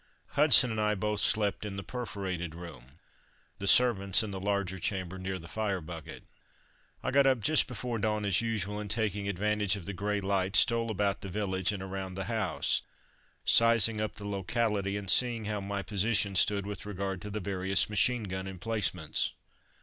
Hudson and I both slept in the perforated room; the servants in the larger chamber, near the fire bucket. I got up just before dawn as usual, and taking advantage of the grey light, stole about the village and around the house, sizing up the locality and seeing how my position stood with regard to the various machine gun emplacements.